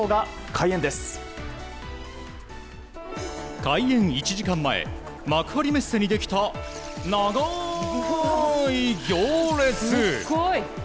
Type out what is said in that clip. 開演１時間前幕張メッセにできた長い行列。